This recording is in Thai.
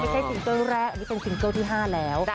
ไม่เป็นซึงคลแรกเอาเป็นซึงคลที่๕แล้ว